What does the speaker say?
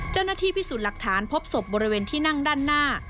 เจ้าหน้าที่พิสูจน์หลักฐานพบศพบริเวณที่นั่งด้านหน้า